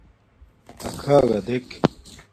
اَکھݳگݳ دݵک.